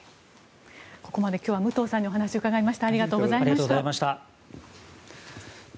ここまで今日は武藤さんにお話を伺いました。